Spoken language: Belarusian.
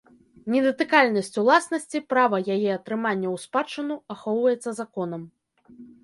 Недатыкальнасць уласнасці, права яе атрымання ў спадчыну ахоўваецца законам.